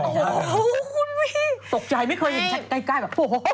โอ้โหคุณตกใจไม่เคยเห็นใกล้แบบโอ้โห